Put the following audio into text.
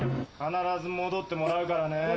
必ず戻ってもらうからね